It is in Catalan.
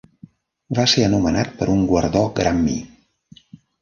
Va ser anomenat per un guardó Grammy.